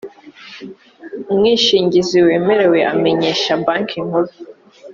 umwishingizi wemerewe amenyesha banki nkuru